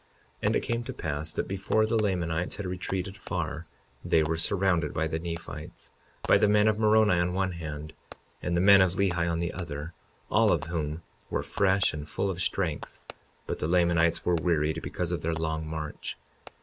52:31 And it came to pass that before the Lamanites had retreated far they were surrounded by the Nephites, by the men of Moroni on one hand, and the men of Lehi on the other, all of whom were fresh and full of strength; but the Lamanites were wearied because of their long march.